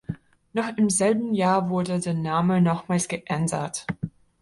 Noch im selben Jahr wurde der Name nochmals geändert.